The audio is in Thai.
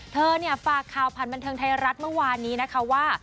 เธอเนี่ยฝากข่าวผ่านบันเทิงไทยรัฐเมื่อวานนี้นะคะว่า